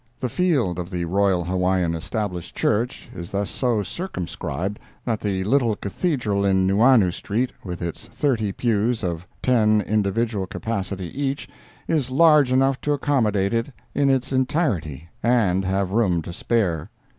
The field of the Royal Hawaiian Established Church is thus so circumscribed that the little cathedral in Nuuanu street, with its thirty pews of ten individual capacity each, is large enough to accommodate it in its entirety, and have room to spare.